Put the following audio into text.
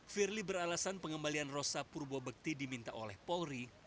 firly beralasan pengembalian rosa purbo bekti diminta oleh polri